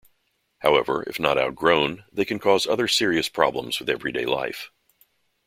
However, if not outgrown, they can cause other serious problems with everyday life.